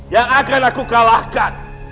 yang akan aku kalahkan